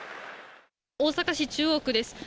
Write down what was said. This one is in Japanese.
大阪市中央区です。